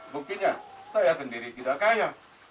buktinya saya sendiri tidak kaya